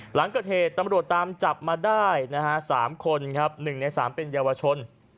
หลังเกิดเหตุตำรวจตามจับมาได้นะฮะ๓คนครับ๑ใน๓เป็นเยาวชน